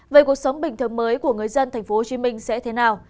vậy cuộc sống bình thường mới của người dân thành phố hồ chí minh sẽ thế nào